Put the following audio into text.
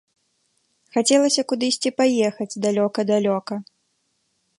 Хацелася кудысьці паехаць далёка-далёка.